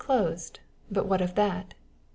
closed, but what of that ?